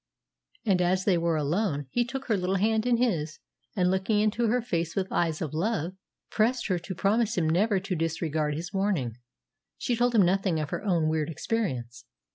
And as they were alone, he took her little hand in his, and looking into her face with eyes of love, pressed her to promise him never to disregard his warning. She told him nothing of her own weird experience.